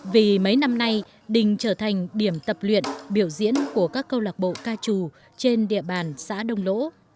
vì mấy năm nay đình trở thành điểm tập luyện biểu diễn của các câu lạc bộ ca trù trên địa bàn xã đông lỗ